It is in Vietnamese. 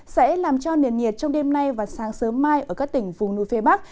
sẽ làm cho nền nhiệt trong đêm nay và sáng sớm mai ở các tỉnh vùng núi phía bắc